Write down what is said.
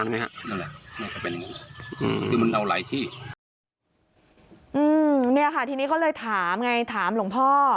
เนี่ยค่ะทีนี้ก็เลยถามไงถามหลวงพ่อ